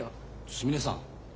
すみれさん。